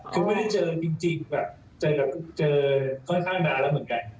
คือไม่ได้เจอจริงแบบเจอห้างด้านแล้วเหมือนกัน